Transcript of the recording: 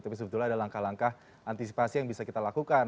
tapi sebetulnya ada langkah langkah antisipasi yang bisa kita lakukan